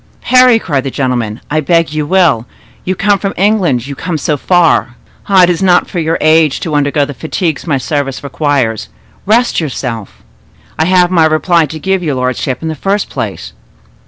"Parry," cried the gentleman, "I beg you will; you come from England—you come so far. Ah! it is not for your age to undergo the fatigues my service requires. Rest yourself." "I have my reply to give your lordship, in the first place."